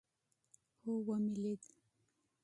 هو ومې لېد.